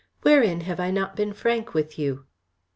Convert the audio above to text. Wherein have I not been frank with you?"